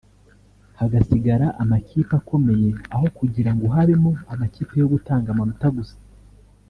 hagasigara amakipe akomeye aho kugira ngo habemo amakipe yo gutanga amanota gusa